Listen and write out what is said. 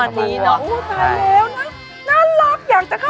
น่ารักอยากจะเข้าไปในโลกมีคลิกของเขา